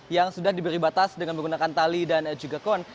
yang sudah diberi batas dengan menggunakan tali dan juga kon